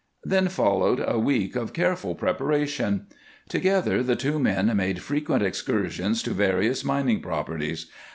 Then followed a week of careful preparation. Together the two men made frequent excursions to various mining properties.